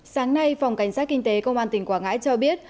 sáng nay phòng cảnh sát kinh tế công an tỉnh quảng ngãi cho biết